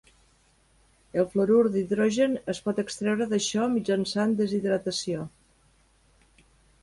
El fluorur d'hidrogen es pot extreure d'això mitjançant deshidratació.